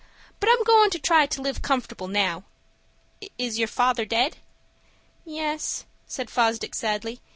"But I'm goin' to try to live comfortable now. Is your father dead?" "Yes," said Fosdick, sadly.